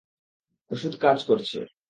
ওষুধ কাজ করছে।